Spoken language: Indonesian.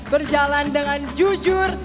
berjalan dengan jujur